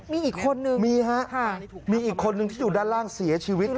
มีอีกคนนึงมีฮะมีอีกคนนึงที่อยู่ด้านล่างเสียชีวิต